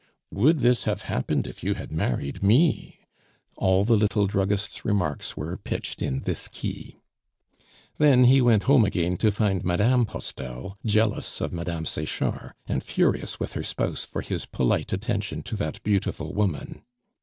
"Would this have happened if you had married me?" all the little druggist's remarks were pitched in this key. Then he went home again to find Mme. Postel jealous of Mme. Sechard, and furious with her spouse for his polite attention to that beautiful woman.